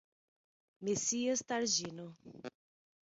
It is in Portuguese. Messias Targino